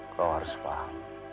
kau harus paham